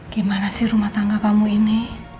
gimana sih rumah tangga kamu ini